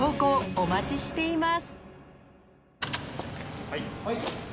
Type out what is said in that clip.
お待ちしています